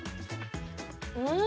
うん！